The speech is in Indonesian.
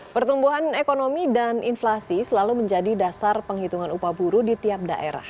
pertumbuhan ekonomi dan inflasi selalu menjadi dasar penghitungan upah buruh di tiap daerah